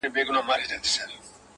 بیا په خپل مدارکي نه سي ګرځېدلای -